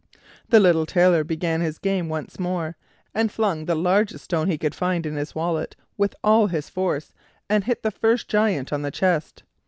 The little Tailor began his game once more, and flung the largest stone he could find in his wallet with all his force, and hit the first Giant on the chest.